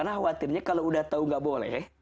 karena khawatirnya kalau udah tahu nggak boleh